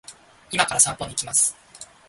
今から散歩に行きます